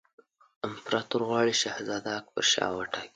امپراطور غواړي شهزاده اکبرشاه وټاکي.